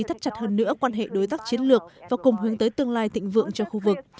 thắt chặt hơn nữa quan hệ đối tác chiến lược và cùng hướng tới tương lai thịnh vượng cho khu vực